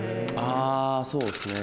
あそうですね。